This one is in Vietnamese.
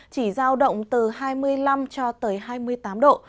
chỉ giao động từ hai mươi năm hai mươi tám độ